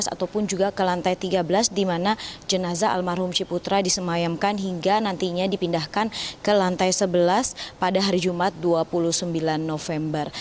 ataupun juga ke lantai tiga belas di mana jenazah almarhum ciputra disemayamkan hingga nantinya dipindahkan ke lantai sebelas pada hari jumat dua puluh sembilan november